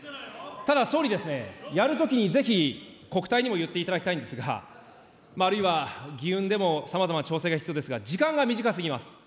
ただ、総理ですね、やるときにぜひ国対にも言っていただきたいんですが、あるいは議運でもさまざまな調整が必要ですが、時間が短すぎます。